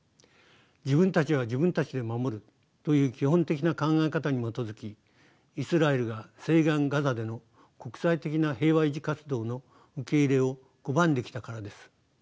自分たちは自分たちで守るという基本的な考え方に基づきイスラエルが西岸ガザでの国際的な平和維持活動の受け入れを拒んできたからです。